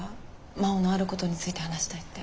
真央の「あること」について話したいって。